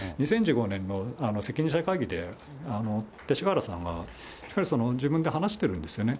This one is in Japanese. ２０１５年の責任者会議で勅使河原さんはやっぱり自分で話してるんですよね。